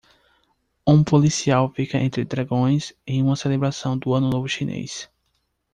Um policial fica entre dragões em uma celebração do Ano Novo Chinês